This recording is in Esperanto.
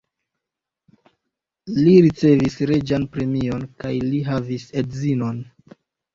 Li ricevis reĝan premion kaj li havis edzinon.